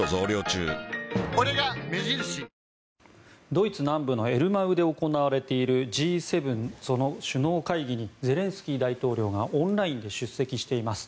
ドイツ南部のエルマウで行われているＧ７の首脳会議にゼレンスキー大統領がオンラインで出席しています。